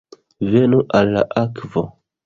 Venu al la akvo!